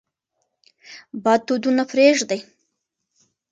بد دودونه پرېږدئ.